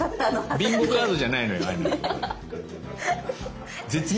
ビンゴカードじゃないのよ